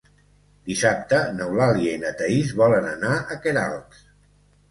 Dissabte n'Eulàlia i na Thaís volen anar a Queralbs.